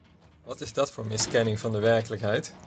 Wat is dat voor een miskenning van de werkelijkheid?